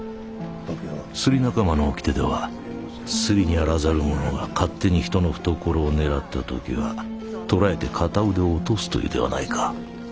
すり仲間の掟ではすりにあらざる者が勝手に人の懐を狙った時は捕らえて片腕を落とすというではないか。